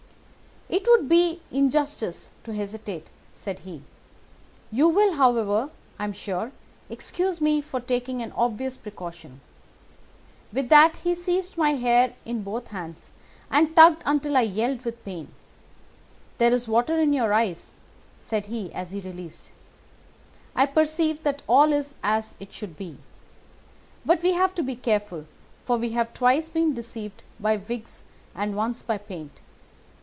"'It would be injustice to hesitate,' said he. 'You will, however, I am sure, excuse me for taking an obvious precaution.' With that he seized my hair in both his hands, and tugged until I yelled with the pain. 'There is water in your eyes,' said he as he released me. 'I perceive that all is as it should be. But we have to be careful, for we have twice been deceived by wigs and once by paint.